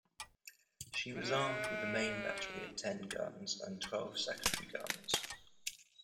She was armed with a main battery of ten guns and twelve secondary guns.